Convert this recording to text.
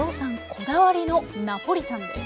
こだわりのナポリタンです。